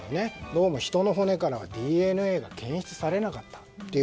どうも人の骨からはＤＮＡが検出されなかったと。